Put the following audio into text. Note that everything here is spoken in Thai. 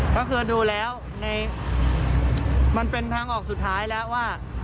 ก็คือดูแล้วมันเป็นทางออกสุดท้ายแล้วว่า